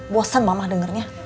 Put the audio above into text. bosan mama dengernya